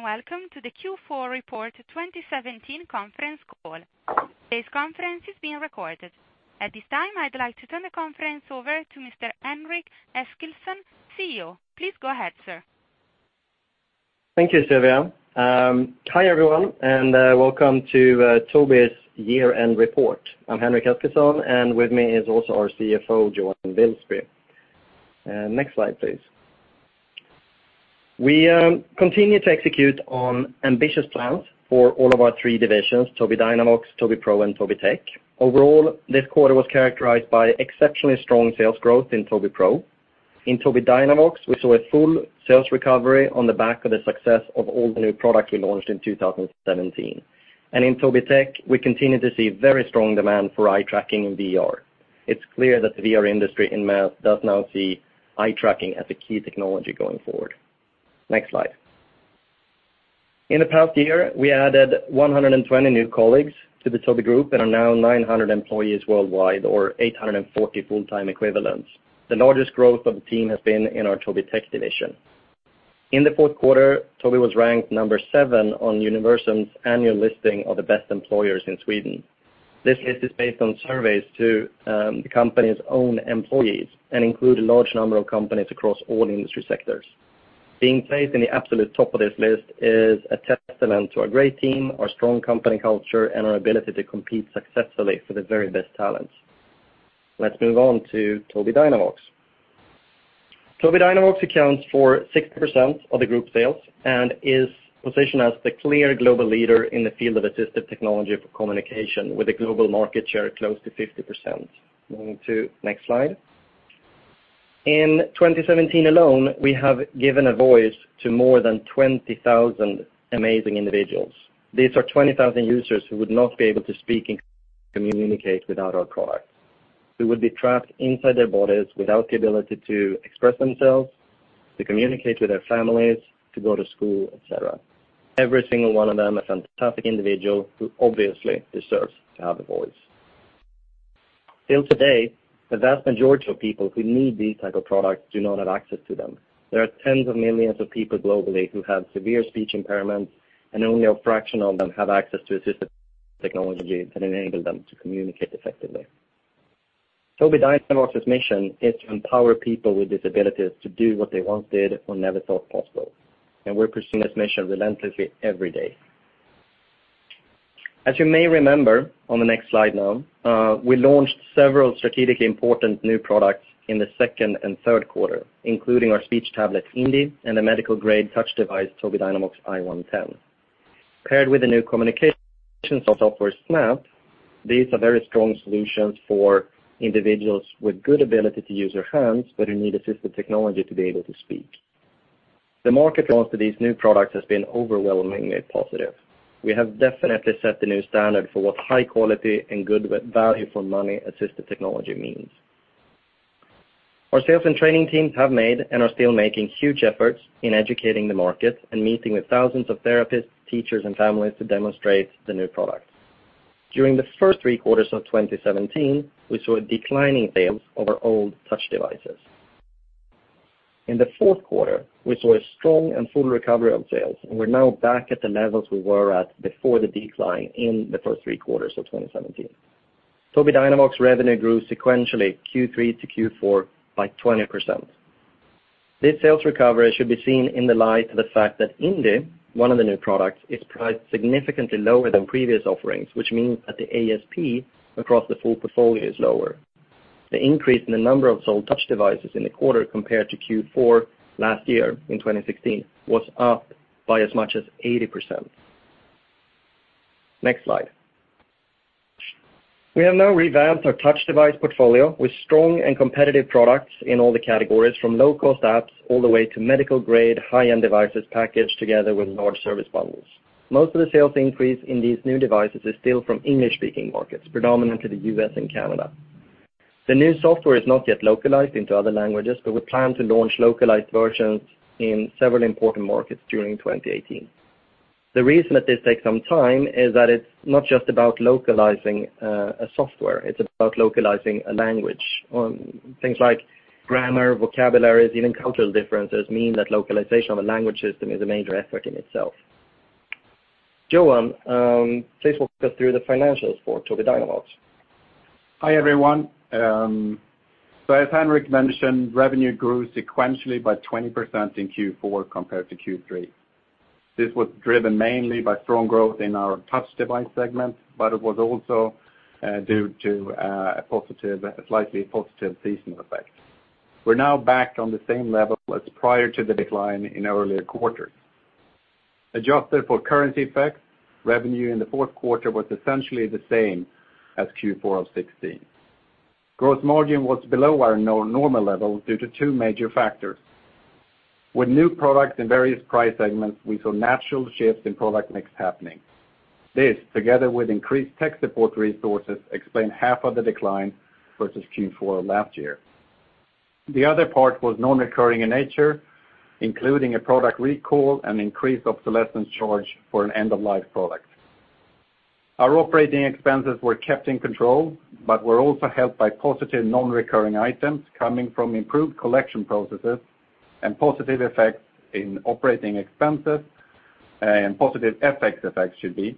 Welcome to the Q4 Report 2017 conference call. This conference is being recorded. At this time, I'd like to turn the conference over to Mr. Henrik Eskilsson, CEO. Please go ahead, sir. Thank you, Sylvia. Hi everyone, welcome to Tobii's year-end report. I'm Henrik Eskilsson, and with me is also our CFO, Johan Wilsby. Next slide, please. We continue to execute on ambitious plans for all of our three divisions, Tobii Dynavox, Tobii Pro, and Tobii Tech. Overall, this quarter was characterized by exceptionally strong sales growth in Tobii Pro. In Tobii Dynavox, we saw a full sales recovery on the back of the success of all the new product we launched in 2017. In Tobii Tech, we continue to see very strong demand for eye tracking in VR. It's clear that the VR industry in mass does now see eye tracking as the key technology going forward. Next slide. The largest growth of the team has been in our Tobii Tech division. In the fourth quarter, Tobii was ranked number 7 on Universum's annual listing of the best employers in Sweden. This list is based on surveys to the company's own employees and include a large number of companies across all industry sectors. Being placed in the absolute top of this list is a testament to our great team, our strong company culture, and our ability to compete successfully for the very best talent. Let's move on to Tobii Dynavox. Tobii Dynavox accounts for 6% of the group sales and is positioned as the clear global leader in the field of assistive technology for communication, with a global market share of close to 50%. Moving to next slide. In 2017 alone, we have given a voice to more than 20,000 amazing individuals. These are 20,000 users who would not be able to speak and communicate without our products, who would be trapped inside their bodies without the ability to express themselves, to communicate with their families, to go to school, et cetera. Every single one of them, a fantastic individual who obviously deserves to have a voice. Still today, the vast majority of people who need these types of products do not have access to them. There are tens of millions of people globally who have severe speech impairments, and only a fraction of them have access to assistive technology that enable them to communicate effectively. Tobii Dynavox's mission is to empower people with disabilities to do what they once did or never thought possible. We're pursuing this mission relentlessly every day. As you may remember, on the next slide now, we launched several strategically important new products in the second and third quarter, including our speech tablet, Indi, and a medical-grade touch device, Tobii Dynavox I-110. Paired with the new communication software, Snap, these are very strong solutions for individuals with good ability to use their hands, but who need assistive technology to be able to speak. The market answer to these new products has been overwhelmingly positive. We have definitely set the new standard for what high quality and good value for money assistive technology means. Our sales and training teams have made and are still making huge efforts in educating the market and meeting with thousands of therapists, teachers, and families to demonstrate the new product. During the first three quarters of 2017, we saw a decline in sales of our old touch devices. In the fourth quarter, we saw a strong and full recovery of sales. We're now back at the levels we were at before the decline in the first three quarters of 2017. Tobii Dynavox revenue grew sequentially, Q3 to Q4, by 20%. This sales recovery should be seen in the light of the fact that Indi, one of the new products, is priced significantly lower than previous offerings, which means that the ASP across the full portfolio is lower. The increase in the number of sold touch devices in the quarter compared to Q4 last year in 2016, was up by as much as 80%. Next slide. We have now revamped our touch device portfolio with strong and competitive products in all the categories from low-cost apps all the way to medical-grade high-end devices packaged together with large service bundles. Most of the sales increase in these new devices is still from English-speaking markets, predominantly the U.S. and Canada. The new software is not yet localized into other languages. We plan to launch localized versions in several important markets during 2018. The reason that this takes some time is that it's not just about localizing a software, it's about localizing a language on things like grammar, vocabularies, even cultural differences mean that localization of a language system is a major effort in itself. Johan, please walk us through the financials for Tobii Dynavox. Hi, everyone. As Henrik mentioned, revenue grew sequentially by 20% in Q4 compared to Q3. This was driven mainly by strong growth in our touch device segment, but it was also due to a slightly positive seasonal effect. We're now back on the same level as prior to the decline in earlier quarters. Adjusted for currency effects, revenue in the fourth quarter was essentially the same as Q4 of 2016. Gross margin was below our normal level due to two major factors. With new products in various price segments, we saw natural shifts in product mix happening. This, together with increased tech support resources, explained half of the decline versus Q4 of last year. The other part was non-recurring in nature, including a product recall and increased obsolescence charge for an end-of-life product. Our operating expenses were kept in control, but were also helped by positive non-recurring items coming from improved collection processes and positive effects in operating expenses, and positive FX effects, should be,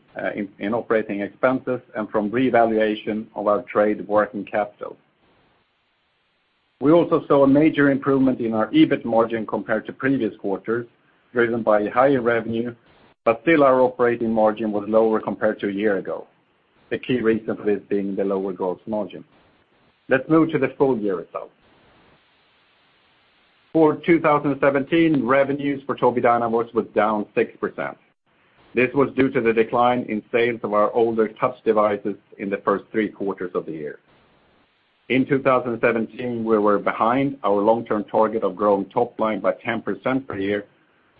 in operating expenses and from revaluation of our trade working capital. We also saw a major improvement in our EBIT margin compared to previous quarters, driven by higher revenue, but still our operating margin was lower compared to a year ago. The key reason for this being the lower gross margin. Let's move to the full year results. For 2017, revenues for Tobii Dynavox was down 6%. This was due to the decline in sales of our older touch devices in the first three quarters of the year. In 2017, we were behind our long-term target of growing top line by 10% per year.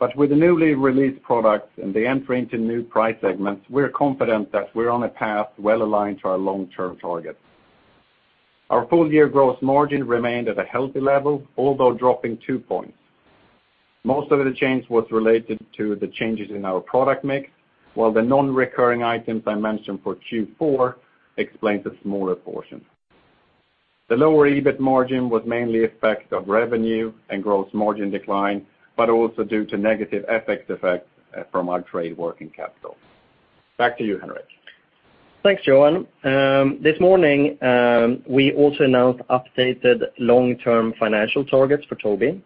With the newly released products and the entry into new price segments, we're confident that we're on a path well-aligned to our long-term target. Our full-year growth margin remained at a healthy level, although dropping 2 points. Most of the change was related to the changes in our product mix, while the non-recurring items I mentioned for Q4 explains the smaller portion. The lower EBIT margin was mainly effect of revenue and gross margin decline, but also due to negative FX effect from our trade working capital. Back to you, Henrik. Thanks, Johan. This morning, we also announced updated long-term financial targets for Tobii.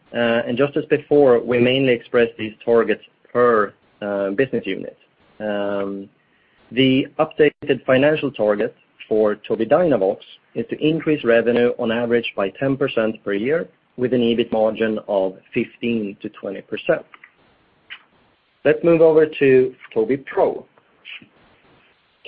Just as before, we mainly express these targets per business unit. The updated financial target for Tobii Dynavox is to increase revenue on average by 10% per year, with an EBIT margin of 15%-20%. Let's move over to Tobii Pro.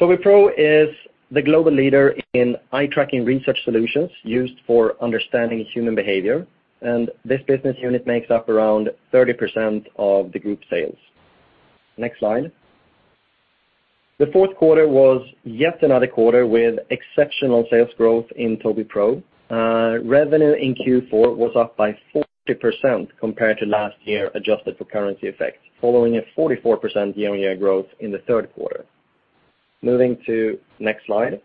Tobii Pro is the global leader in eye tracking research solutions used for understanding human behavior, and this business unit makes up around 30% of the group sales. Next slide. The fourth quarter was yet another quarter with exceptional sales growth in Tobii Pro. Revenue in Q4 was up by 40% compared to last year, adjusted for currency effects, following a 44% year-on-year growth in the third quarter. Moving to next slide.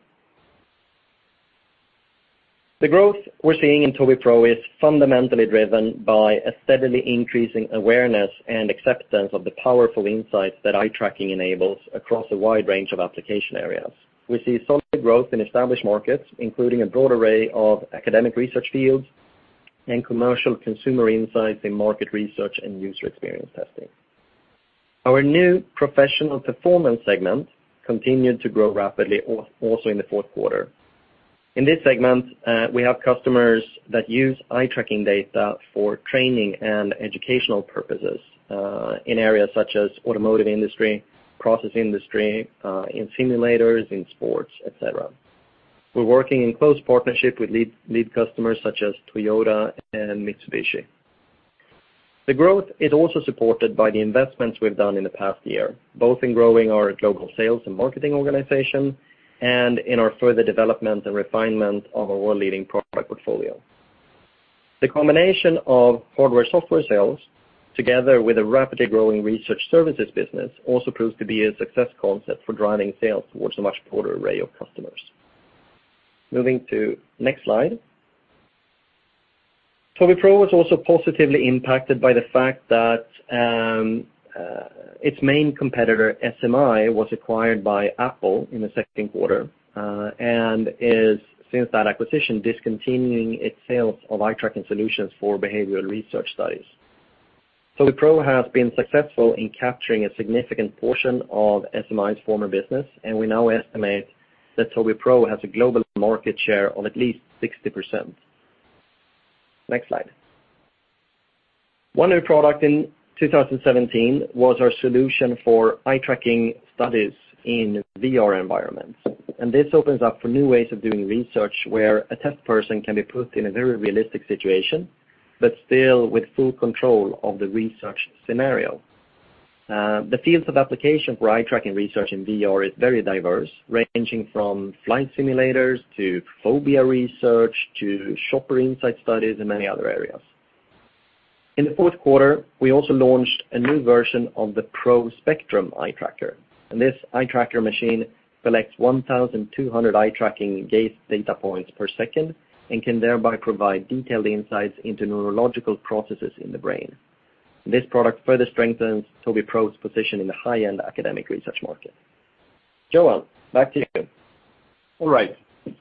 The growth we're seeing in Tobii Pro is fundamentally driven by a steadily increasing awareness and acceptance of the powerful insights that eye tracking enables across a wide range of application areas. We see solid growth in established markets, including a broad array of academic research fields and commercial consumer insights in market research and user experience testing. Our new professional performance segment continued to grow rapidly also in the fourth quarter. In this segment, we have customers that use eye tracking data for training and educational purposes, in areas such as automotive industry, process industry, in simulators, in sports, et cetera. We're working in close partnership with lead customers such as Toyota and Mitsubishi. The growth is also supported by the investments we've done in the past year, both in growing our global sales and marketing organization and in our further development and refinement of our world-leading product portfolio. The combination of hardware-software sales, together with a rapidly growing research services business, also proves to be a success concept for driving sales towards a much broader array of customers. Moving to next slide. Tobii Pro was also positively impacted by the fact that its main competitor, SMI, was acquired by Apple in the second quarter. It is, since that acquisition, discontinuing its sales of eye tracking solutions for behavioral research studies. Tobii Pro has been successful in capturing a significant portion of SMI's former business, and we now estimate that Tobii Pro has a global market share of at least 60%. Next slide. One new product in 2017 was our solution for eye tracking studies in VR environments. This opens up for new ways of doing research where a test person can be put in a very realistic situation, but still with full control of the research scenario. The fields of application for eye tracking research in VR is very diverse, ranging from flight simulators to phobia research to shopper insight studies and many other areas. In the fourth quarter, we also launched a new version of the Pro Spectrum eye tracker. This eye tracker machine collects 1,200 eye tracking gaze data points per second and can thereby provide detailed insights into neurological processes in the brain. This product further strengthens Tobii Pro's position in the high-end academic research market. Johan, back to you. All right.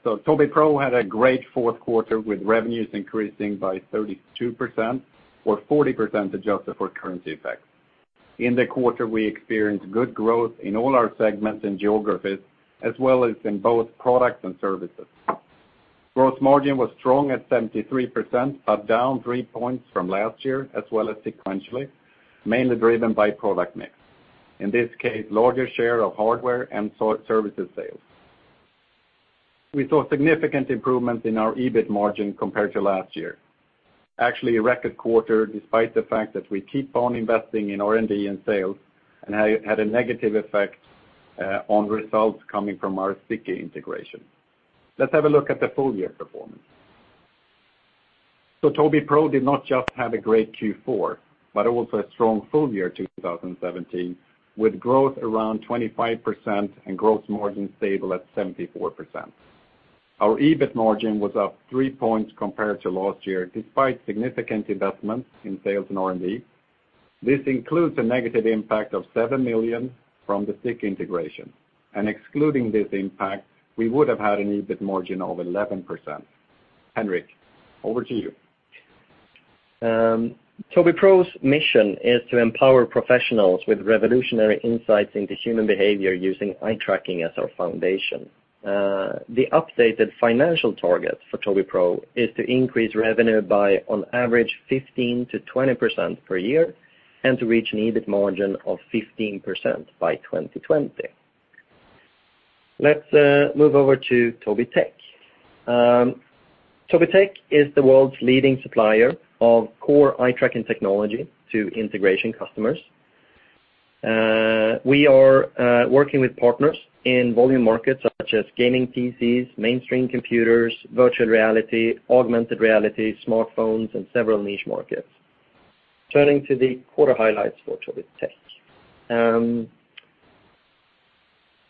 Tobii Pro had a great fourth quarter with revenues increasing by 32%, or 40% adjusted for currency effects. In the quarter, we experienced good growth in all our segments and geographies, as well as in both products and services. Gross margin was strong at 73%, but down three points from last year, as well as sequentially, mainly driven by product mix. In this case, larger share of hardware and services sales. We saw significant improvements in our EBIT margin compared to last year. Actually a record quarter, despite the fact that we keep on investing in R&D and sales and had a negative effect on results coming from our Sticky integration. Let's have a look at the full year performance. Tobii Pro did not just have a great Q4, but also a strong full year 2017, with growth around 25% and gross margin stable at 74%. Our EBIT margin was up three points compared to last year, despite significant investments in sales and R&D. This includes a negative impact of 7 million from the Sticky integration, and excluding this impact, we would have had an EBIT margin of 11%. Henrik, over to you. Tobii Pro's mission is to empower professionals with revolutionary insights into human behavior using eye tracking as our foundation. The updated financial target for Tobii Pro is to increase revenue by on average 15%-20% per year and to reach an EBIT margin of 15% by 2020. Let's move over to Tobii Tech. Tobii Tech is the world's leading supplier of core eye tracking technology to integration customers. We are working with partners in volume markets such as gaming PCs, mainstream computers, virtual reality, augmented reality, smartphones, and several niche markets. Turning to the quarter highlights for Tobii Tech.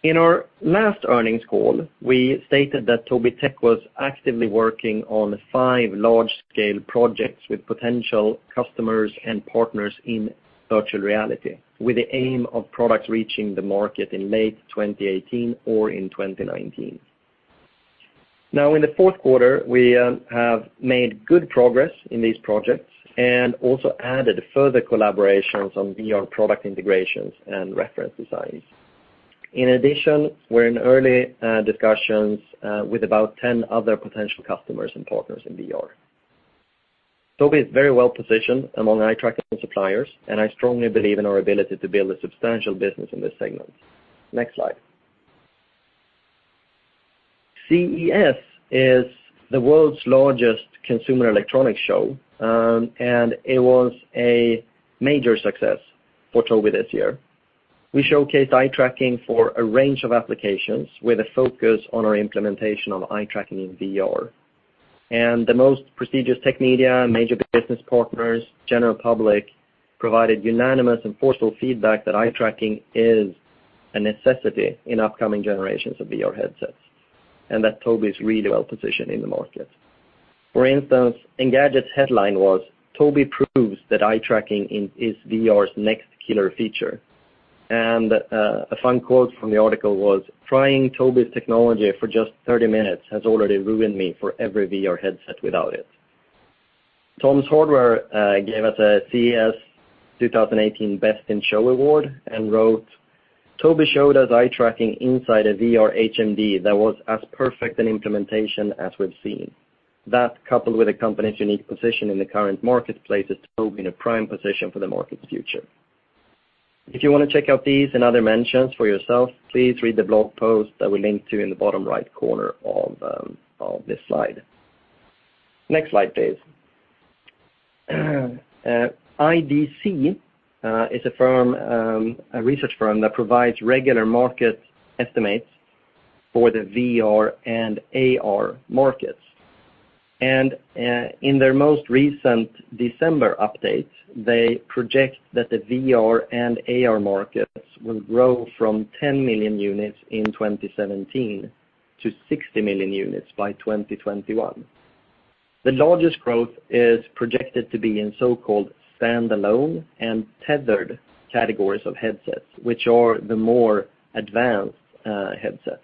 In our last earnings call, we stated that Tobii Tech was actively working on five large-scale projects with potential customers and partners in virtual reality, with the aim of products reaching the market in late 2018 or in 2019. In the fourth quarter, we have made good progress in these projects and also added further collaborations on VR product integrations and reference designs. In addition, we're in early discussions with about 10 other potential customers and partners in VR. Tobii is very well-positioned among eye tracking suppliers, and I strongly believe in our ability to build a substantial business in this segment. Next slide. CES is the world's largest consumer electronics show, and it was a major success for Tobii this year. We showcased eye tracking for a range of applications with a focus on our implementation of eye tracking in VR. The most prestigious tech media, major business partners, general public, provided unanimous and forceful feedback that eye tracking is a necessity in upcoming generations of VR headsets, and that Tobii is really well-positioned in the market. For instance, Engadget's headline was, "Tobii Proves that Eye Tracking is VR's Next Killer Feature." A fun quote from the article was, "Trying Tobii's technology for just 30 minutes has already ruined me for every VR headset without it." Tom's Hardware gave us a CES 2018 Best in Show award and wrote, "Tobii showed us eye tracking inside a VR HMD that was as perfect an implementation as we've seen. That, coupled with the company's unique position in the current marketplace, has Tobii in a prime position for the market's future." If you want to check out these and other mentions for yourself, please read the blog post that we link to in the bottom right corner of this slide. Next slide, please. IDC is a research firm that provides regular market estimates for the VR and AR markets. In their most recent December update, they project that the VR and AR markets will grow from 10 million units in 2017 to 60 million units by 2021. The largest growth is projected to be in so-called standalone and tethered categories of headsets, which are the more advanced headsets.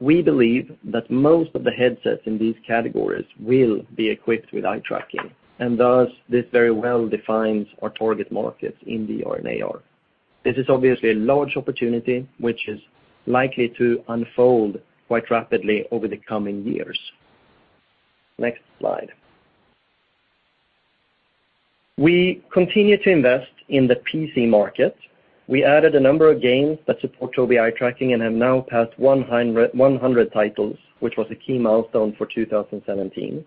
We believe that most of the headsets in these categories will be equipped with eye tracking, and thus, this very well defines our target markets in VR and AR. This is obviously a large opportunity, which is likely to unfold quite rapidly over the coming years. Next slide. We continue to invest in the PC market. We added a number of games that support Tobii eye tracking and have now passed 100 titles, which was a key milestone for 2017.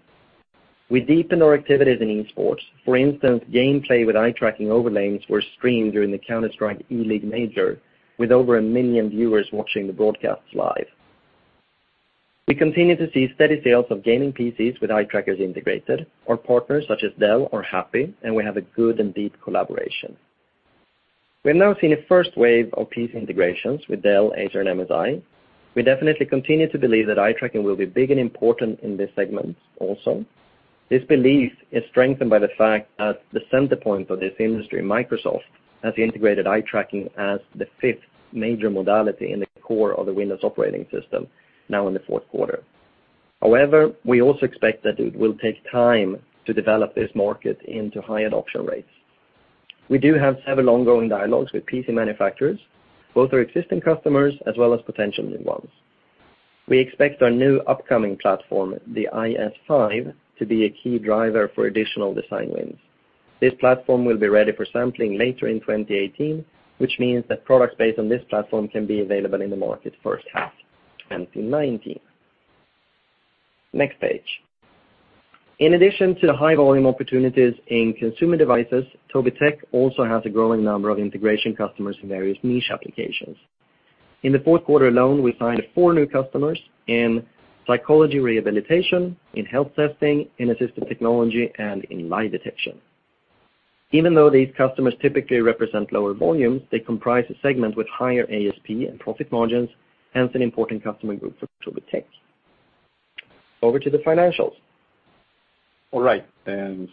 We deepened our activities in esports. For instance, gameplay with eye tracking overlays were streamed during the Counter-Strike ELEAGUE Major, with over 1 million viewers watching the broadcasts live. We continue to see steady sales of gaming PCs with eye trackers integrated. Our partners such as Dell are happy, and we have a good and deep collaboration. We have now seen a first wave of PC integrations with Dell, Acer, and MSI. We definitely continue to believe that eye tracking will be big and important in this segment also. This belief is strengthened by the fact that the center point of this industry, Microsoft, has integrated eye tracking as the fifth major modality in the core of the Windows operating system now in the fourth quarter. However, we also expect that it will take time to develop this market into high adoption rates. We do have several ongoing dialogues with PC manufacturers, both our existing customers as well as potential new ones. We expect our new upcoming platform, the IS5, to be a key driver for additional design wins. This platform will be ready for sampling later in 2018, which means that products based on this platform can be available in the market first half 2019. Next page. In addition to the high volume opportunities in consumer devices, Tobii Tech also has a growing number of integration customers in various niche applications. In the fourth quarter alone, we signed four new customers in psychology rehabilitation, in health testing, in assistive technology, and in lie detection. Even though these customers typically represent lower volumes, they comprise a segment with higher ASP and profit margins, hence an important customer group for Tobii Tech. Over to the financials. All right.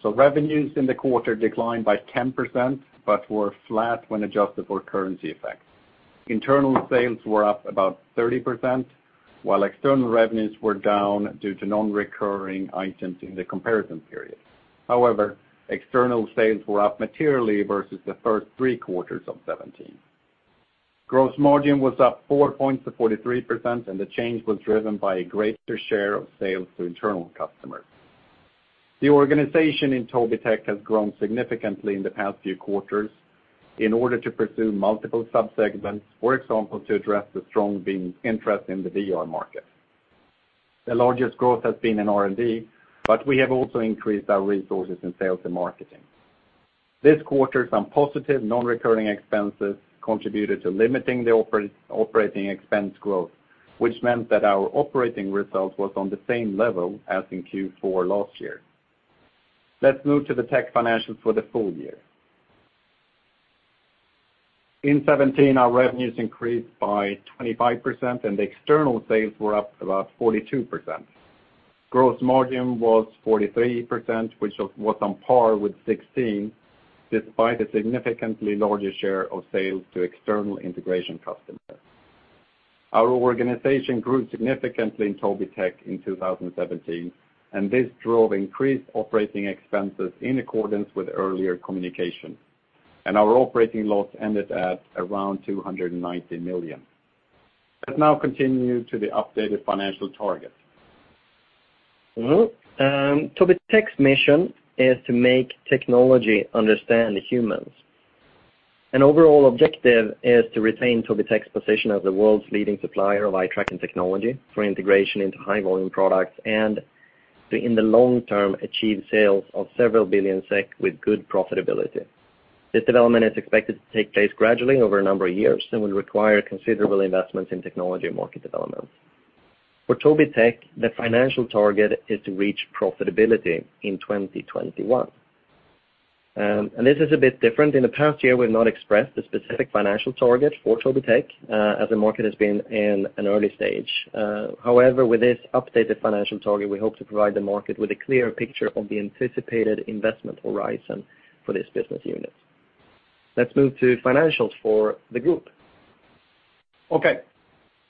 Revenues in the quarter declined by 10%, but were flat when adjusted for currency effects. Internal sales were up about 30%, while external revenues were down due to non-recurring items in the comparison period. However, external sales were up materially versus the first three quarters of 2017. Gross margin was up four points to 43%, and the change was driven by a greater share of sales to internal customers. The organization in Tobii Tech has grown significantly in the past few quarters in order to pursue multiple sub-segments, for example, to address the strong interest in the VR market. The largest growth has been in R&D, but we have also increased our resources in sales and marketing. This quarter, some positive non-recurring expenses contributed to limiting the operating expense growth, which meant that our operating result was on the same level as in Q4 last year. Let's move to the tech financials for the full year. In 2017, our revenues increased by 25%, and external sales were up about 42%. Gross margin was 43%, which was on par with 2016, despite a significantly larger share of sales to external integration customers. Our organization grew significantly in Tobii Tech in 2017, and this drove increased operating expenses in accordance with earlier communication. Our operating loss ended at around 290 million. Let's now continue to the updated financial targets. Tobii Tech's mission is to make technology understand humans. An overall objective is to retain Tobii Tech's position as the world's leading supplier of eye tracking technology for integration into high-volume products, and to, in the long term, achieve sales of several billion SEK with good profitability. This development is expected to take place gradually over a number of years and will require considerable investments in technology and market development. For Tobii Tech, the financial target is to reach profitability in 2021. This is a bit different. In the past year, we've not expressed a specific financial target for Tobii Tech, as the market has been in an early stage. However, with this updated financial target, we hope to provide the market with a clearer picture of the anticipated investment horizon for this business unit. Let's move to financials for the group.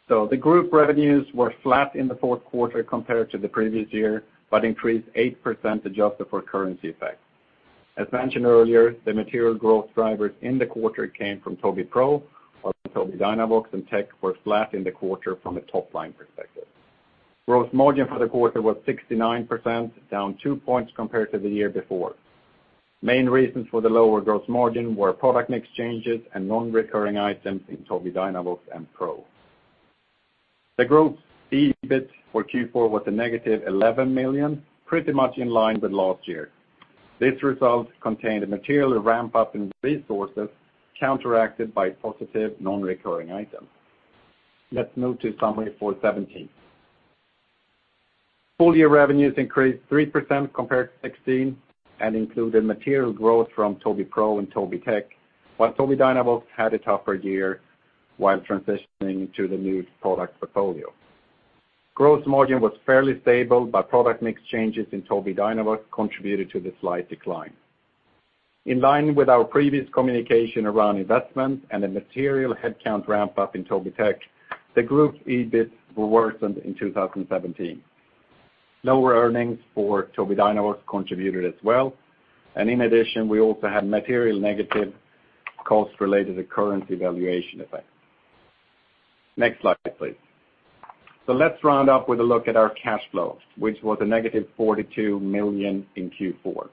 The group revenues were flat in the fourth quarter compared to the previous year, but increased 8% adjusted for currency effects. As mentioned earlier, the material growth drivers in the quarter came from Tobii Pro, while Tobii Dynavox and Tech were flat in the quarter from a top-line perspective. Gross margin for the quarter was 69%, down 2 points compared to the year before. Main reasons for the lower gross margin were product mix changes and non-recurring items in Tobii Dynavox and Pro. The group EBIT for Q4 was a negative 11 million, pretty much in line with last year. This result contained a material ramp-up in resources, counteracted by positive non-recurring items. Let's move to summary for 2017. Full-year revenues increased 3% compared to 2016, and included material growth from Tobii Pro and Tobii Tech, while Tobii Dynavox had a tougher year while transitioning to the new product portfolio. Gross margin was fairly stable, but product mix changes in Tobii Dynavox contributed to the slight decline. In line with our previous communication around investment and a material headcount ramp-up in Tobii Tech, the group EBIT worsened in 2017. Lower earnings for Tobii Dynavox contributed as well, and in addition, we also had material negative costs related to currency valuation effects. Next slide, please. Let's round up with a look at our cash flow, which was a negative 42 million in Q4.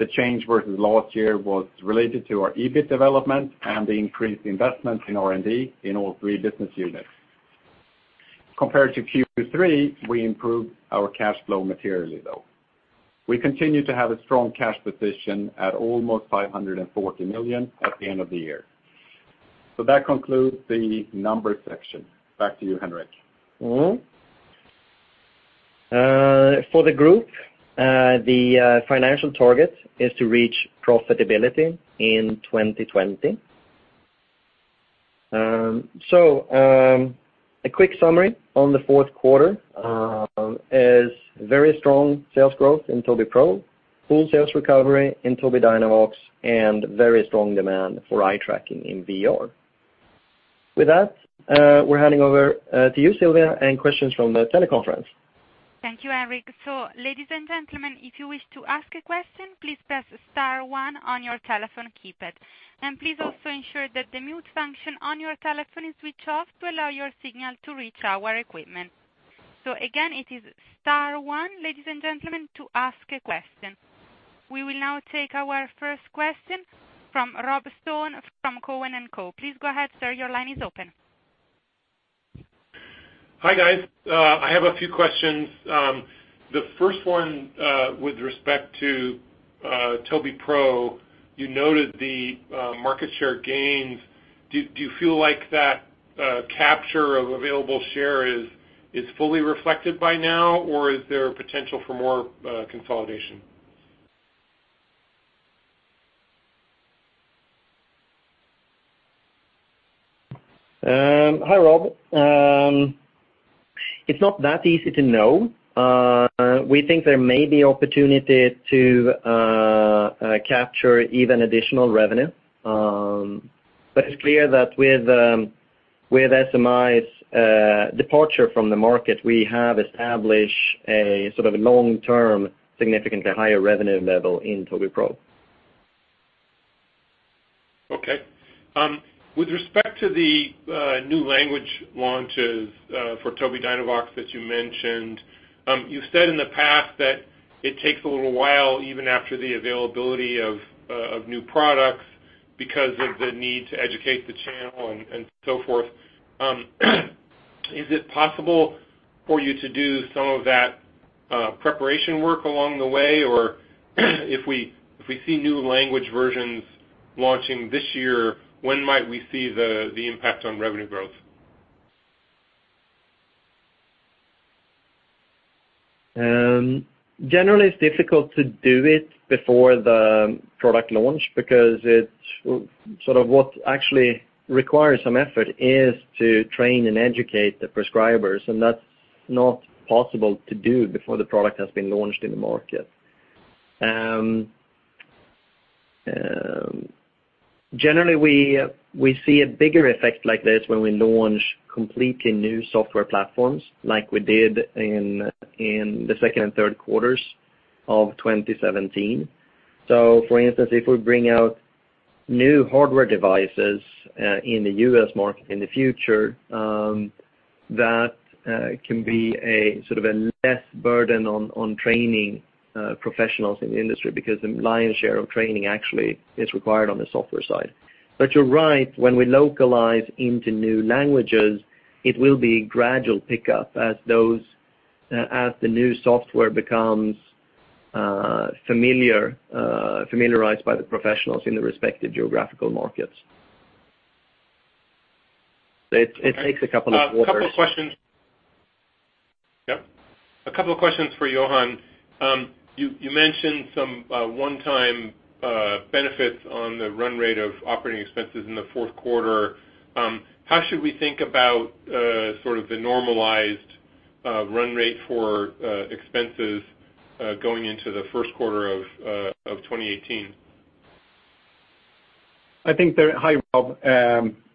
The change versus last year was related to our EBIT development and the increased investment in R&D in all three business units. Compared to Q3, we improved our cash flow materially, though. We continue to have a strong cash position at almost 540 million at the end of the year. That concludes the numbers section. Back to you, Henrik. For the group, the financial target is to reach profitability in 2020. A quick summary on the fourth quarter is very strong sales growth in Tobii Pro, full sales recovery in Tobii Dynavox, and very strong demand for eye tracking in VR. With that, we are handing over to you, Sylvia, and questions from the teleconference. Thank you, Henrik. Ladies and gentlemen, if you wish to ask a question, please press *1 on your telephone keypad. Please also ensure that the mute function on your telephone is switched off to allow your signal to reach our equipment. Again, it is *1, ladies and gentlemen, to ask a question. We will now take our first question from Rob Stone from Cowen & Co. Please go ahead, sir. Your line is open. Hi, guys. I have a few questions. The first one with respect to Tobii Pro, you noted the market share gains. Do you feel like that capture of available share is fully reflected by now, or is there potential for more consolidation? Hi, Rob. It is not that easy to know. We think there may be opportunity to capture even additional revenue. It is clear that with SMI's departure from the market, we have established a sort of a long-term, significantly higher revenue level in Tobii Pro. Okay. With respect to the new language launches for Tobii Dynavox that you mentioned, you've said in the past that it takes a little while, even after the availability of new products, because of the need to educate the channel and so forth. Is it possible for you to do some of that preparation work along the way, or if we see new language versions launching this year, when might we see the impact on revenue growth? Generally, it's difficult to do it before the product launch because sort of what actually requires some effort is to train and educate the prescribers, and that's not possible to do before the product has been launched in the market. Generally, we see a bigger effect like this when we launch completely new software platforms, like we did in the second and third quarters of 2017. For instance, if we bring out new hardware devices in the U.S. market in the future, that can be a sort of a less burden on training professionals in the industry because the lion's share of training actually is required on the software side. You're right, when we localize into new languages, it will be gradual pickup as the new software becomes familiarized by the professionals in the respective geographical markets. It takes a couple of quarters. A couple of questions. Yep. A couple of questions for Johan. You mentioned some one-time benefits on the run rate of operating expenses in the fourth quarter. How should we think about sort of the normalized run rate for expenses going into the first quarter of 2018? Hi, Rob.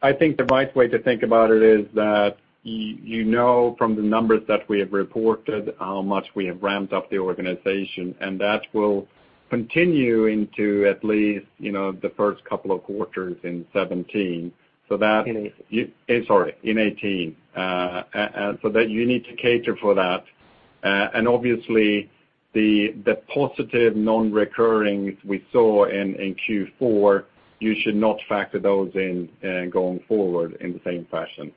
I think the right way to think about it is that you know from the numbers that we have reported how much we have ramped up the organization, that will continue into at least the first couple of quarters in 2017. In 2018. Sorry, in 2018. That you need to cater for that. Obviously the positive non-recurring we saw in Q4, you should not factor those in going forward in the same fashion.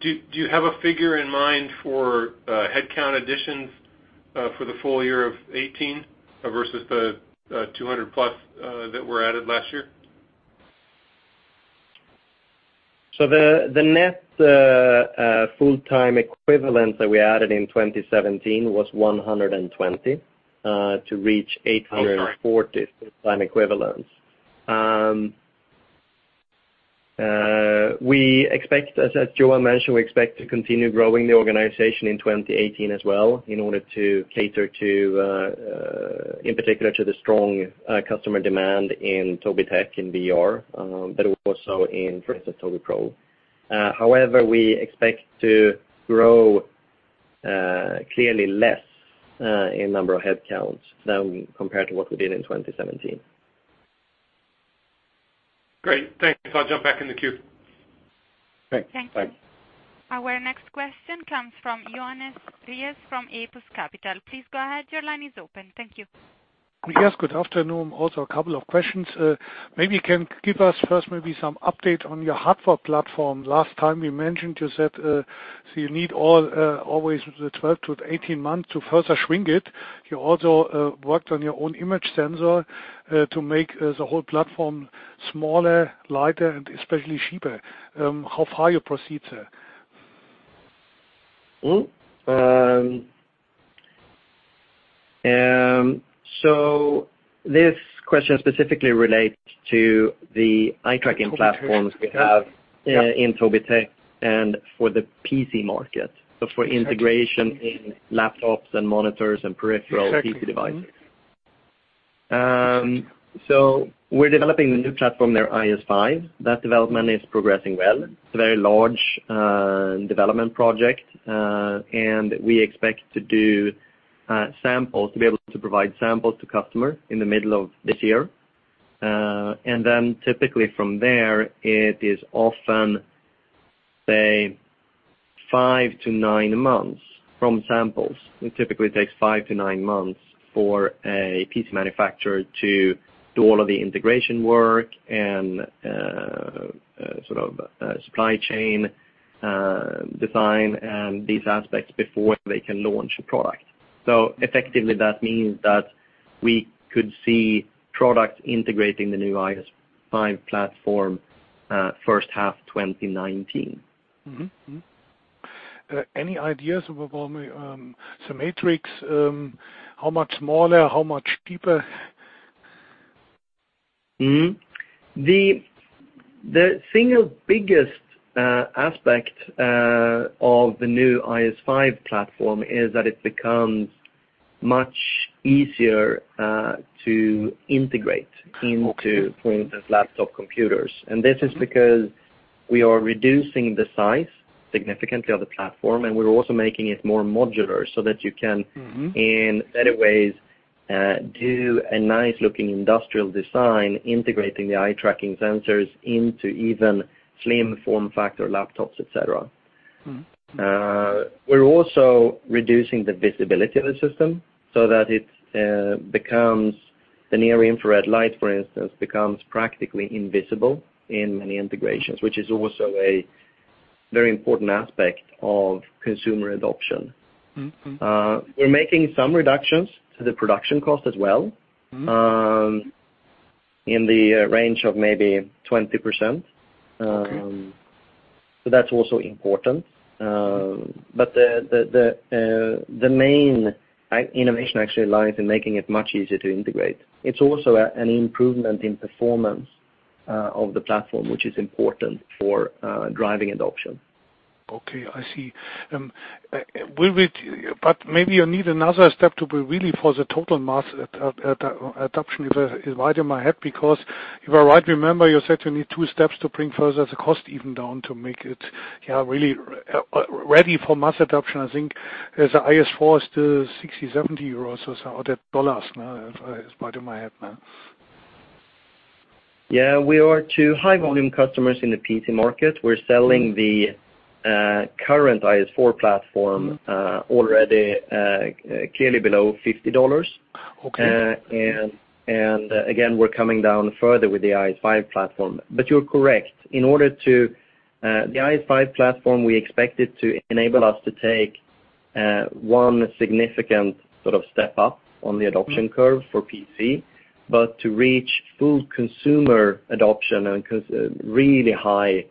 Do you have a figure in mind for headcount additions for the full year of 2018 versus the 200 plus that were added last year? The net full-time equivalent that we added in 2017 was 120 to reach 840. Oh, sorry full-time equivalents. As Johan mentioned, we expect to continue growing the organization in 2018 as well in order to cater in particular to the strong customer demand in Tobii Tech in VR, but also in, for instance, Tobii Pro. However, we expect to grow clearly less in number of headcounts than compared to what we did in 2017. Great. Thanks. I'll jump back in the queue. Thanks. Thanks. Our next question comes from Johannes Ries from Apus Capital. Please go ahead. Your line is open. Thank you. Yes, good afternoon. Also a couple of questions. Maybe you can give us first some update on your hardware platform. Last time you mentioned, you said, you need always the 12 to 18 months to further shrink it. You also worked on your own image sensor to make the whole platform smaller, lighter, and especially cheaper. How far you proceed sir? This question specifically relates to the eye-tracking platforms we have in Tobii Tech and for the PC market, so for integration in laptops and monitors and peripheral PC devices. Exactly. We're developing a new platform there, IS5. That development is progressing well. It's a very large development project. We expect to be able to provide samples to customer in the middle of this year. Then typically from there, it is often say five to nine months from samples. It typically takes five to nine months for a PC manufacturer to do all of the integration work and supply chain design and these aspects before they can launch a product. Effectively, that means that we could see products integrating the new IS5 platform first half 2019. Any ideas about the matrix? How much smaller, how much cheaper? The single biggest aspect of the new IS5 platform is that it becomes much easier to integrate into, for instance, laptop computers. This is because we are reducing the size significantly of the platform, and we're also making it more modular so that you can- in better ways, do a nice-looking industrial design integrating the eye-tracking sensors into even slim form factor laptops, et cetera. We're also reducing the visibility of the system so that the near-infrared light, for instance, becomes practically invisible in many integrations, which is also a very important aspect of consumer adoption. We're making some reductions to the production cost as well. In the range of maybe 20%. Okay. That's also important. The main innovation actually lies in making it much easier to integrate. It's also an improvement in performance of the platform, which is important for driving adoption. Okay. I see. Maybe you need another step to be really for the total mass adoption is right in my head, because if I right remember, you said you need two steps to bring further the cost even down to make it really ready for mass adoption. I think as IS4 is still 60, 70 euros or so, or SEK 60, SEK 70. It's right in my head, man. Yeah. We are to high volume customers in the PC market. We're selling the current IS4 platform already clearly below SEK 50. Okay. We're coming down further with the IS5 platform. You're correct. The IS5 platform, we expect it to enable us to take one significant step up on the adoption curve for PC, but to reach full consumer adoption and really high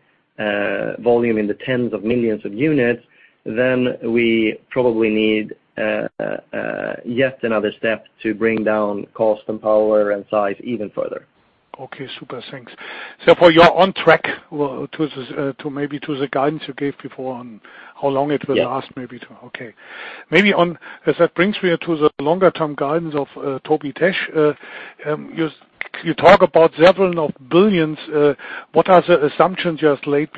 volume in the tens of millions of units, we probably need yet another step to bring down cost and power and size even further. Okay, super. Thanks. So far, you're on track to maybe to the guidance you gave before on how long it will last. Yeah Okay. That brings me to the longer-term guidance of Tobii Tech. You talk about several of billions. What are the assumptions you have laid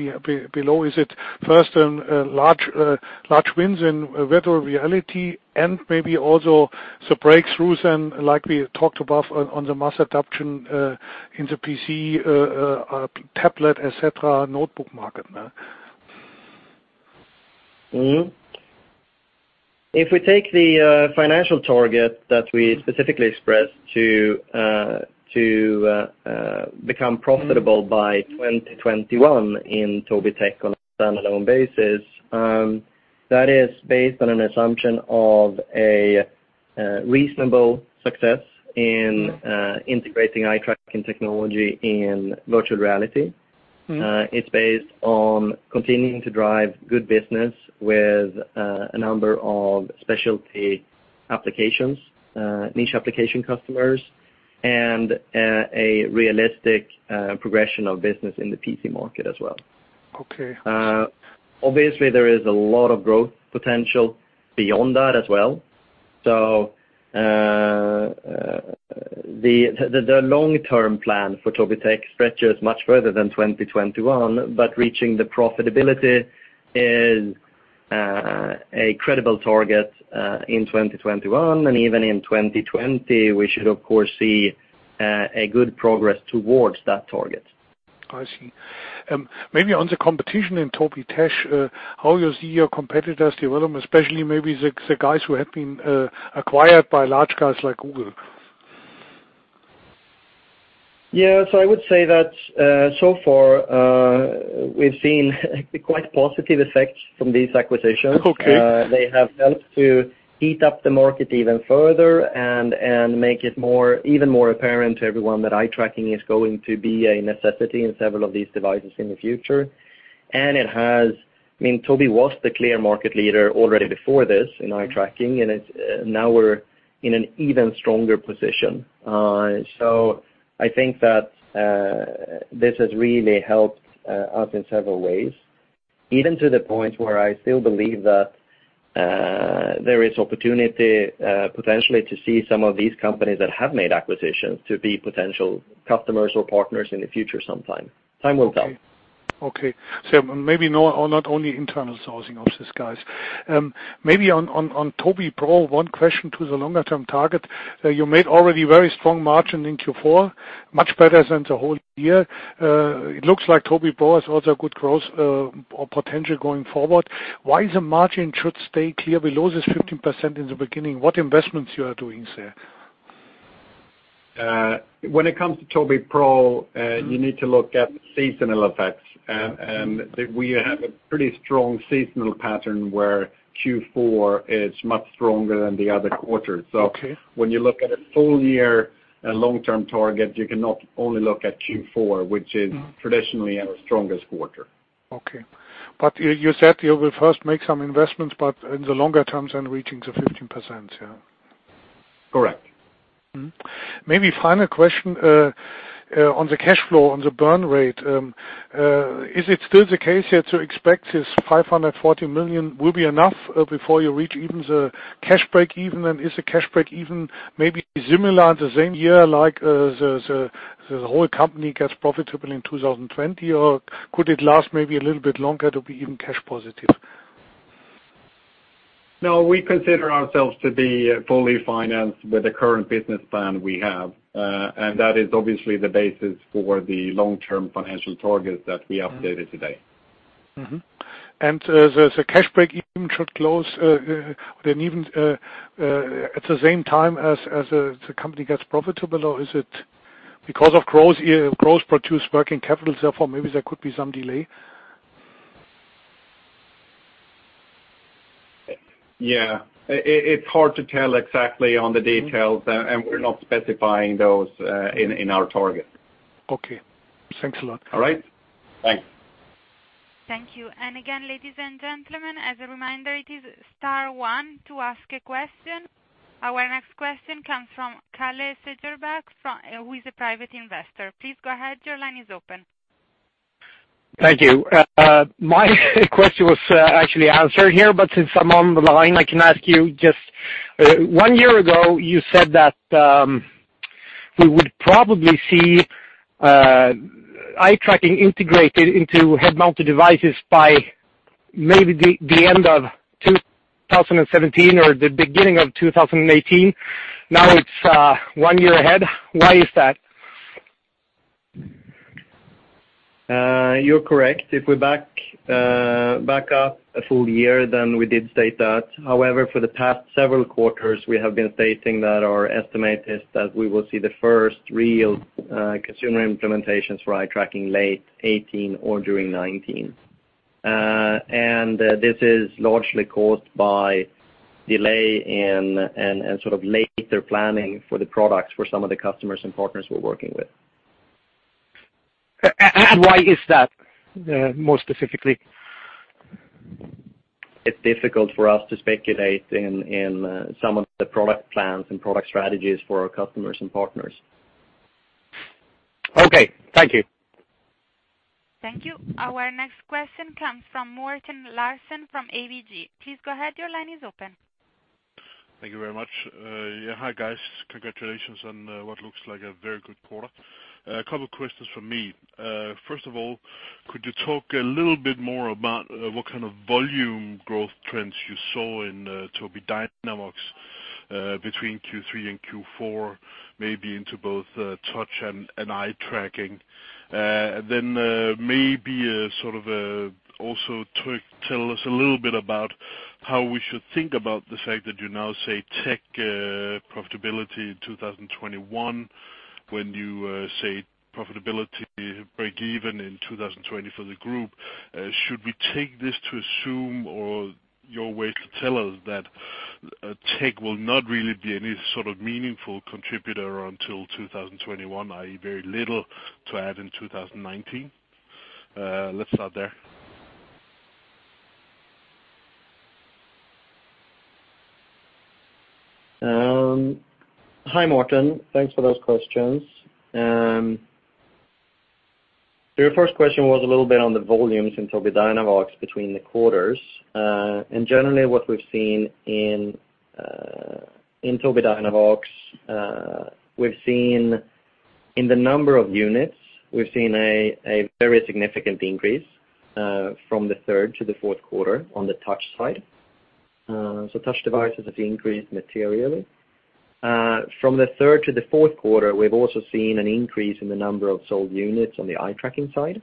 below? Is it first in large wins in virtual reality and maybe also the breakthroughs and like we talked above, on the mass adoption in the PC, tablet, et cetera, notebook market, man? If we take the financial target that we specifically expressed to become profitable by 2021 in Tobii Tech on a standalone basis, that is based on an assumption of a reasonable success in integrating eye tracking technology in virtual reality. It's based on continuing to drive good business with a number of specialty applications, niche application customers, and a realistic progression of business in the PC market as well. Okay. Obviously, there is a lot of growth potential beyond that as well. The long-term plan for Tobii Tech stretches much further than 2021, but reaching the profitability is a credible target, in 2021 and even in 2020, we should of course see a good progress towards that target. I see. Maybe on the competition in Tobii Tech, how you see your competitors' development, especially maybe the guys who have been acquired by large guys like Google. Yeah. I would say that so far, we've seen quite positive effects from these acquisitions. Okay. They have helped to heat up the market even further and make it even more apparent to everyone that eye tracking is going to be a necessity in several of these devices in the future. Tobii was the clear market leader already before this in eye tracking, and now we're in an even stronger position. I think that this has really helped us in several ways, even to the point where I still believe that there is opportunity, potentially, to see some of these companies that have made acquisitions to be potential customers or partners in the future sometime. Time will tell. Okay. Maybe not only internal sourcing of these guys. Maybe on Tobii Pro, one question to the longer-term target. You made already very strong margin in Q4, much better than the whole year. It looks like Tobii Pro has also good growth potential going forward. Why the margin should stay clear below this 15% in the beginning? What investments you are doing there? When it comes to Tobii Pro, you need to look at seasonal effects. We have a pretty strong seasonal pattern where Q4 is much stronger than the other quarters. Okay. When you look at a full year long-term target, you cannot only look at Q4, which is traditionally our strongest quarter. Okay. You said you will first make some investments, but in the longer term then reaching the 15%, yeah. Correct. Maybe final question, on the cash flow, on the burn rate. Is it still the case here to expect this 540 million will be enough before you reach even the cash break-even? Is the cash break-even maybe similar in the same year, like the whole company gets profitable in 2020? Could it last maybe a little bit longer to be even cash positive? No, we consider ourselves to be fully financed with the current business plan we have. That is obviously the basis for the long-term financial target that we updated today. Mm-hmm. The cash break-even should close at the same time as the company gets profitable, or is it because of growth produce working capital, therefore maybe there could be some delay? Yeah. It's hard to tell exactly on the details, and we're not specifying those in our target. Okay. Thanks a lot. All right. Thanks. Thank you. Again, ladies and gentlemen, as a reminder, it is star one to ask a question. Our next question comes from Kalle Sejerback, who is a private investor. Please go ahead, your line is open. Thank you. My question was actually answered here, but since I am on the line, I can ask you just one year ago, you said that we would probably see eye tracking integrated into head-mounted devices by maybe the end of 2017 or the beginning of 2018. Now it is one year ahead. Why is that? You are correct. If we back up a full year, we did state that. However, for the past several quarters, we have been stating that our estimate is that we will see the first real consumer implementations for eye tracking late 2018 or during 2019. This is largely caused by delay and sort of later planning for the products for some of the customers and partners we are working with. Why is that, more specifically? It is difficult for us to speculate in some of the product plans and product strategies for our customers and partners. Okay. Thank you. Thank you. Our next question comes from Morten Larsen from ABG. Please go ahead, your line is open. Thank you very much. Hi, guys. Congratulations on what looks like a very good quarter. A couple questions from me. First of all, could you talk a little bit more about what kind of volume growth trends you saw in Tobii Dynavox between Q3 and Q4, maybe into both touch and eye tracking? Maybe sort of also tell us a little bit about how we should think about the fact that you now say tech profitability 2021, when you say profitability break even in 2020 for the group. Should we take this to assume, or your way to tell us that tech will not really be any sort of meaningful contributor until 2021, i.e., very little to add in 2019? Let's start there. Hi, Morten. Thanks for those questions. Your first question was a little bit on the volumes in Tobii Dynavox between the quarters. Generally what we've seen in Tobii Dynavox, we've seen in the number of units, we've seen a very significant increase from the third to the fourth quarter on the touch side. Touch devices have increased materially. From the third to the fourth quarter, we've also seen an increase in the number of sold units on the eye tracking side.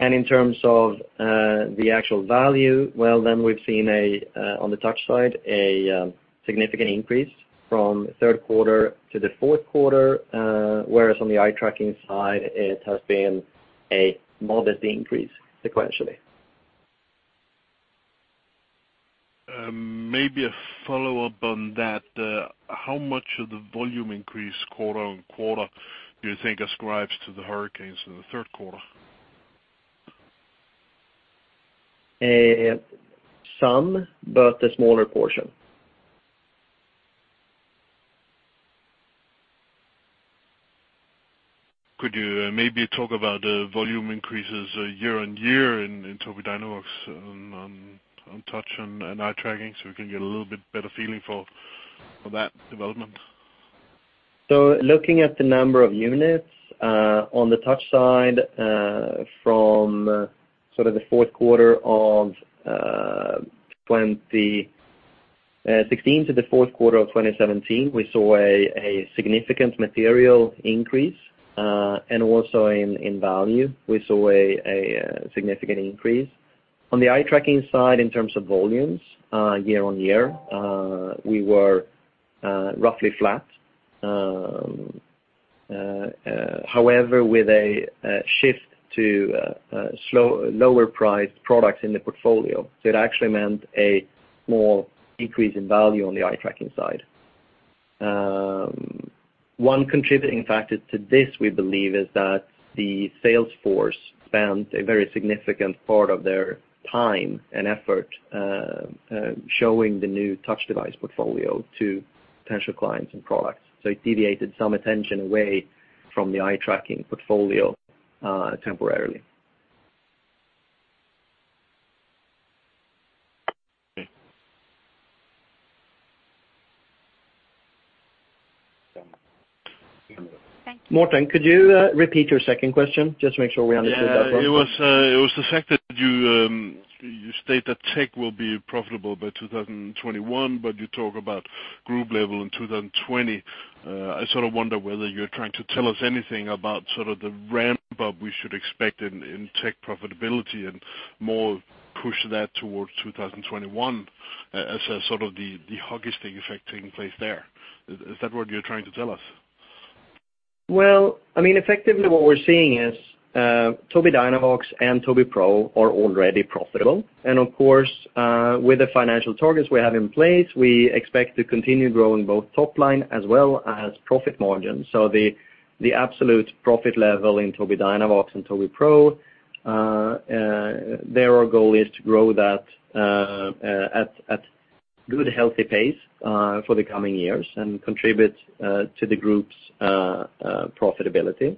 In terms of the actual value, well, then we've seen on the touch side, a significant increase from third quarter to the fourth quarter, whereas on the eye tracking side, it has been a modest increase sequentially. Maybe a follow-up on that. How much of the volume increase quarter-on-quarter do you think ascribes to the hurricanes in the third quarter? Some, but a smaller portion. Could you maybe talk about the volume increases year-on-year in Tobii Dynavox on touch and eye tracking so we can get a little bit better feeling for that development Looking at the number of units on the touch side, from the fourth quarter of 2016 to the fourth quarter of 2017, we saw a significant material increase. Also in value, we saw a significant increase. On the eye-tracking side, in terms of volumes year-on-year, we were roughly flat. However, with a shift to lower-priced products in the portfolio, it actually meant a small increase in value on the eye-tracking side. One contributing factor to this, we believe, is that the sales force spent a very significant part of their time and effort showing the new touch device portfolio to potential clients and products. It deviated some attention away from the eye-tracking portfolio temporarily. Okay. Thank you. Morten, could you repeat your second question, just to make sure we understood that one? Yeah. It was the fact that you state that Tech will be profitable by 2021, but you talk about group level in 2020. I wonder whether you're trying to tell us anything about the ramp-up we should expect in Tech profitability and more push that towards 2021 as the hugest thing affecting place there. Is that what you're trying to tell us? Well, effectively what we're seeing is Tobii Dynavox and Tobii Pro are already profitable. Of course, with the financial targets we have in place, we expect to continue growing both top line as well as profit margins. The absolute profit level in Tobii Dynavox and Tobii Pro, there our goal is to grow that at good, healthy pace for the coming years and contribute to the group's profitability.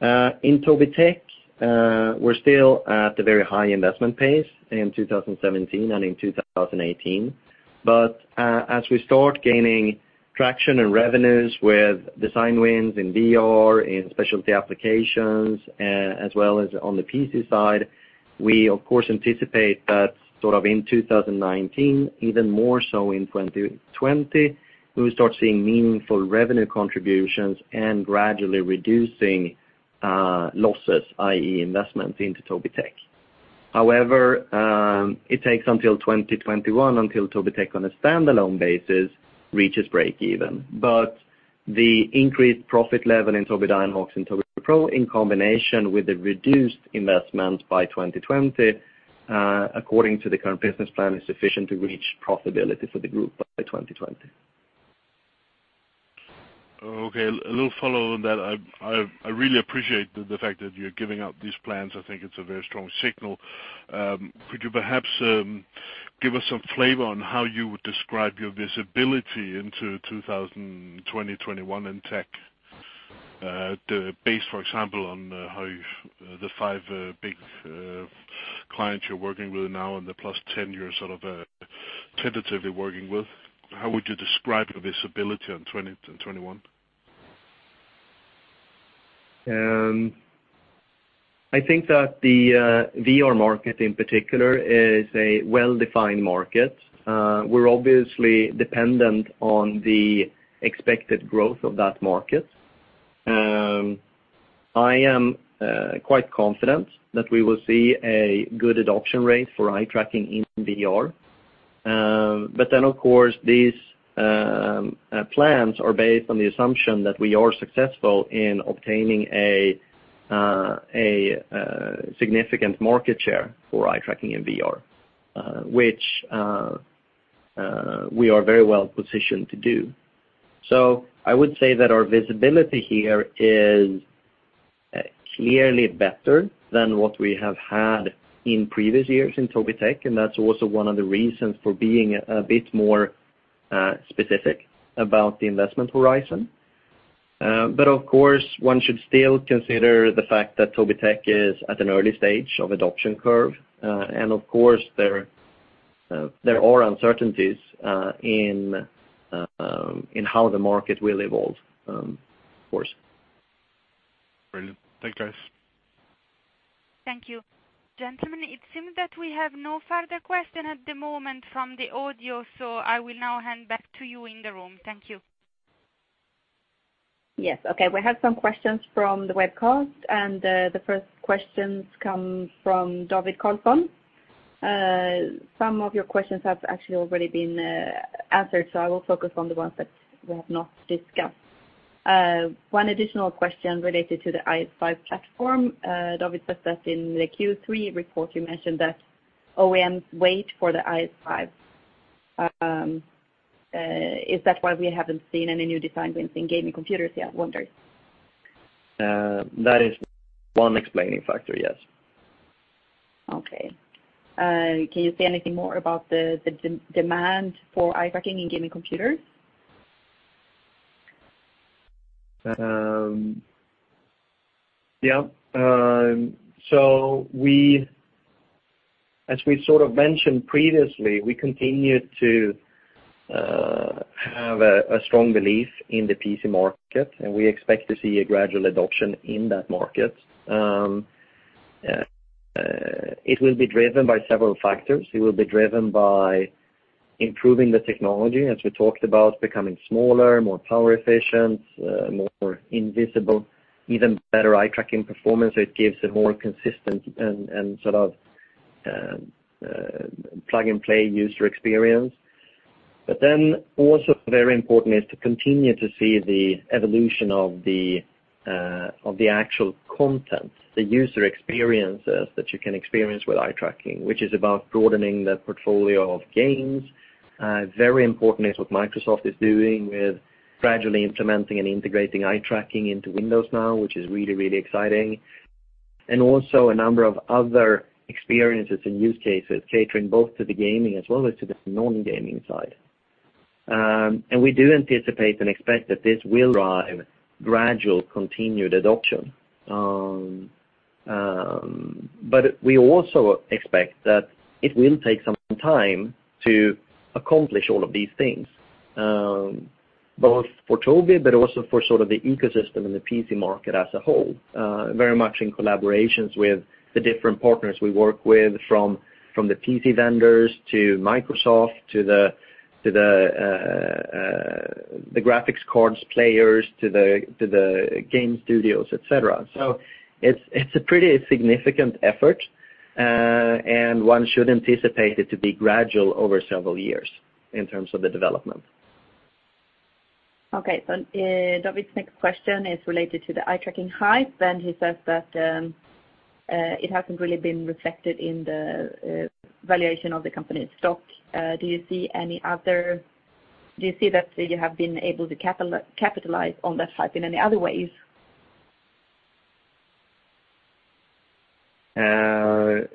In Tobii Tech, we're still at a very high investment pace in 2017 and in 2018. As we start gaining traction and revenues with design wins in VR, in specialty applications, as well as on the PC side, we of course anticipate that in 2019, even more so in 2020, we will start seeing meaningful revenue contributions and gradually reducing losses, i.e., investment into Tobii Tech. It takes until 2021 until Tobii Tech on a standalone basis reaches break even. The increased profit level in Tobii Dynavox and Tobii Pro, in combination with the reduced investment by 2020, according to the current business plan, is sufficient to reach profitability for the group by 2020. Okay. A little follow on that. I really appreciate the fact that you're giving out these plans. I think it's a very strong signal. Could you perhaps give us some flavor on how you would describe your visibility into 2020, 2021 in Tobii Tech? Based, for example, on how the five big clients you're working with now and the plus 10 you're tentatively working with, how would you describe your visibility on 2020, 2021? I think that the VR market in particular is a well-defined market. We're obviously dependent on the expected growth of that market. I am quite confident that we will see a good adoption rate for eye tracking in VR. Of course, these plans are based on the assumption that we are successful in obtaining a significant market share for eye tracking in VR, which we are very well positioned to do. I would say that our visibility here is clearly better than what we have had in previous years in Tobii Tech, and that's also one of the reasons for being a bit more specific about the investment horizon. Of course, one should still consider the fact that Tobii Tech is at an early stage of adoption curve. Of course, there are uncertainties in how the market will evolve, of course. Brilliant. Thanks, guys. Thank you. Gentlemen, it seems that we have no further question at the moment from the audio, I will now hand back to you in the room. Thank you. Yes, okay. We have some questions from the webcast, the first questions come from David Carlson. Some of your questions have actually already been answered, I will focus on the ones that we have not discussed. One additional question related to the IS5 platform. David says that in the Q3 report, you mentioned that OEMs wait for the IS5. Is that why we haven't seen any new design wins in gaming computers yet, wonder? That is one explaining factor, yes. Okay. Can you say anything more about the demand for eye tracking in gaming computers? Yep. As we sort of mentioned previously, we continue to have a strong belief in the PC market, we expect to see a gradual adoption in that market. It will be driven by several factors. It will be driven by improving the technology, as we talked about, becoming smaller, more power efficient, more invisible, even better eye-tracking performance. It gives a more consistent and plug-and-play user experience. Also very important is to continue to see the evolution of the actual content, the user experiences that you can experience with eye tracking, which is about broadening the portfolio of games. Very important is what Microsoft is doing with gradually implementing and integrating eye tracking into Windows now, which is really exciting, also a number of other experiences and use cases catering both to the gaming as well as to the non-gaming side. We do anticipate and expect that this will drive gradual continued adoption. We also expect that it will take some time to accomplish all of these things, both for Tobii, but also for the ecosystem and the PC market as a whole, very much in collaborations with the different partners we work with, from the PC vendors to Microsoft to the graphics cards players to the game studios, et cetera. It's a pretty significant effort, and one should anticipate it to be gradual over several years in terms of the development. Okay. David's next question is related to the eye-tracking hype, he says that it hasn't really been reflected in the valuation of the company's stock. Do you see that you have been able to capitalize on that hype in any other ways?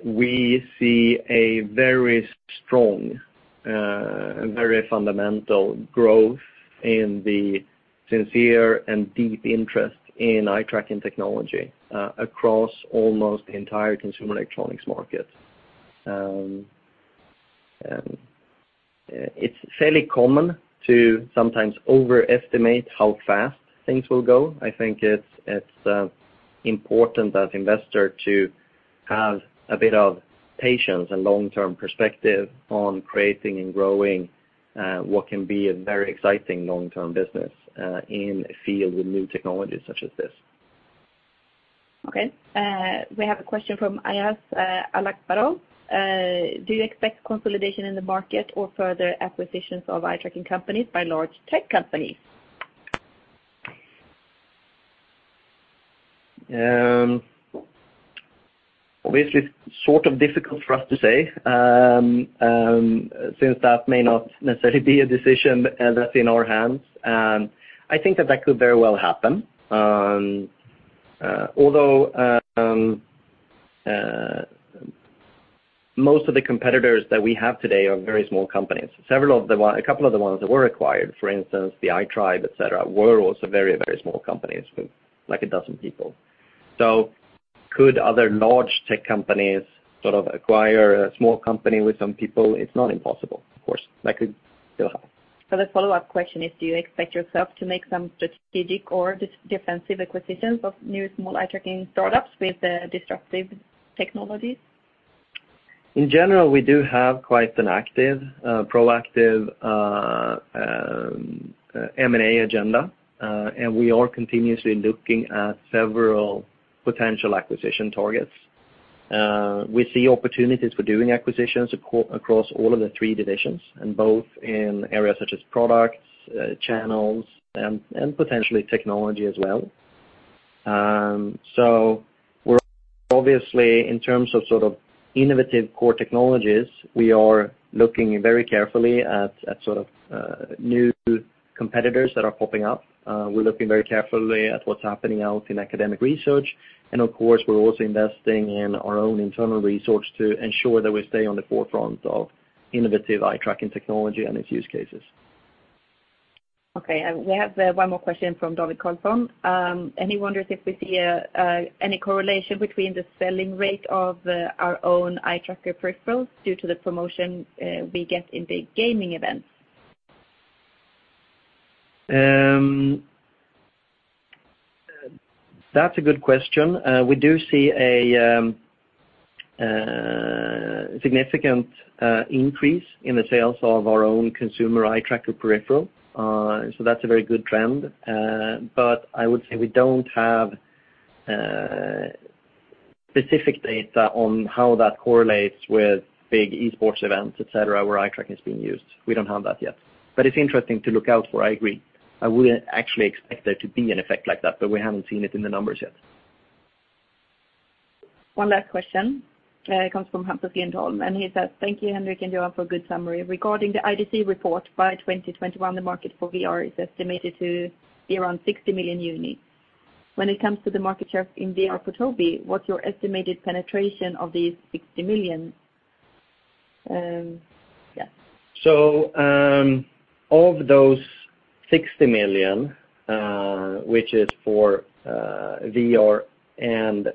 We see a very strong and very fundamental growth in the sincere and deep interest in eye-tracking technology across almost the entire consumer electronics market. It's fairly common to sometimes overestimate how fast things will go. I think it's important as investor to have a bit of patience and long-term perspective on creating and growing what can be a very exciting long-term business in a field with new technologies such as this. Okay. We have a question from Ayas Alakbarov. Do you expect consolidation in the market or further acquisitions of eye-tracking companies by large tech companies? Obviously, sort of difficult for us to say, since that may not necessarily be a decision that's in our hands. I think that could very well happen. Most of the competitors that we have today are very small companies. A couple of the ones that were acquired, for instance, The Eye Tribe, et cetera, were also very small companies with like a dozen people. Could other large tech companies acquire a small company with some people? It's not impossible, of course. That could still happen. The follow-up question is, do you expect yourself to make some strategic or defensive acquisitions of new small eye-tracking startups with disruptive technologies? In general, we do have quite an active, proactive M&A agenda. We are continuously looking at several potential acquisition targets. We see opportunities for doing acquisitions across all of the three divisions, and both in areas such as products, channels, and potentially technology as well. We're obviously, in terms of innovative core technologies, we are looking very carefully at new competitors that are popping up. We're looking very carefully at what's happening out in academic research. Of course, we're also investing in our own internal research to ensure that we stay on the forefront of innovative eye-tracking technology and its use cases. Okay. We have one more question from David Carlson, he wonders if we see any correlation between the selling rate of our own eye tracker peripherals due to the promotion we get in big gaming events. That's a good question. We do see a significant increase in the sales of our own consumer eye tracker peripheral. That's a very good trend. I would say we don't have specific data on how that correlates with big esports events, et cetera, where eye tracking is being used. We don't have that yet. It's interesting to look out for, I agree. I would actually expect there to be an effect like that, but we haven't seen it in the numbers yet. One last question comes from Hunter Fientol, he says, "Thank you, Henrik and Johan, for a good summary. Regarding the IDC report, by 2021, the market for VR is estimated to be around 60 million units. When it comes to the market share in VR for Tobii, what's your estimated penetration of these 60 million?" Yeah. Of those 60 million, which is for VR and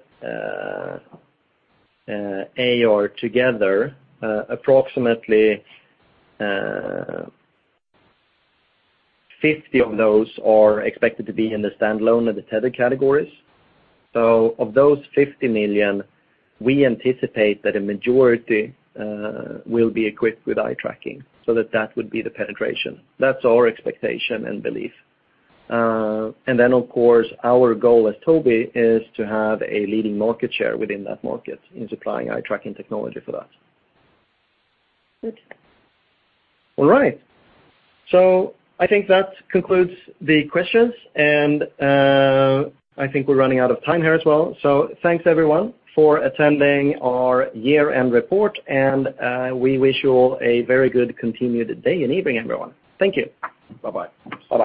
AR together, approximately 50 of those are expected to be in the standalone and the tethered categories. Of those 50 million, we anticipate that a majority will be equipped with eye tracking, so that would be the penetration. That's our expectation and belief. Of course, our goal as Tobii is to have a leading market share within that market in supplying eye-tracking technology for that. Good. All right. I think that concludes the questions, and I think we're running out of time here as well. Thanks everyone for attending our year-end report, and we wish you all a very good continued day and evening, everyone. Thank you. Bye-bye. Bye-bye.